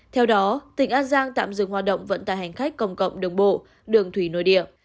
theo đó tỉnh an giang tạm dừng hoạt động vận tải hành khách công cộng đường bộ đường thủy nội địa